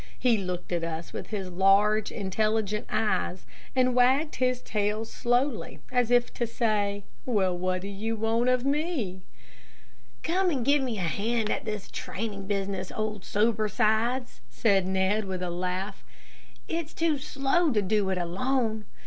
He looked at us with his large, intelligent eyes, and wagged his tail slowly, as if to say, "Well, what do you want of me?" "Come and give me a hand at this training business, old Sobersides," said Ned, with a laugh. "It's too slow to do it alone.